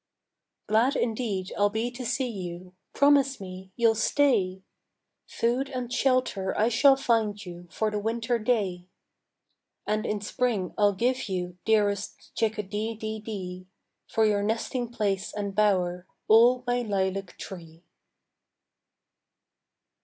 Glad indeed I'll be to see you; Promise me you'll stay, Food and shelter I shall find you For the winter day; And in spring I'll give you, dearest Chick a dee dee dee, For your nesting place and bower, All my lilac tree!